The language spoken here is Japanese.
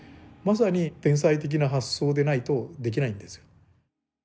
まさに天才的な発想でないとできないんですよ。